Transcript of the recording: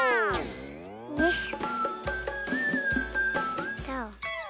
よいしょ。